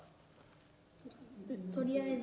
とりあえず。